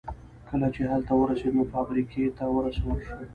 کله چې هلته ورسېد نو فابريکې ته ورسول شو.